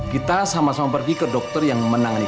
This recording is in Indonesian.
kita sama sama pergi ke dokter yang menangani